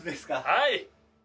はい。